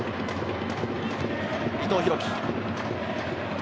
伊藤洋輝。